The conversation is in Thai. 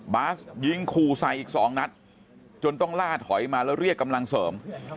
บาสยิงขู่ใส่อีก๒นัดจนต้องล่าถอยมาแล้วเรียกกำลังเสริม